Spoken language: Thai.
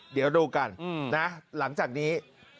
เดี๋ยวดูกันนะหลังจากนี้